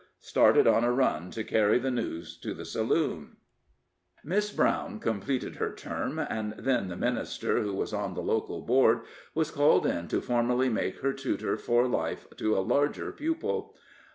started on a run to carry the news to the saloon. Miss Brown completed her term, and then the minister, who was on the local Board, was called in to formally make her tutor for life to a larger pupil.